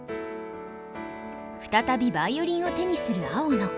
再びヴァイオリンを手にする青野。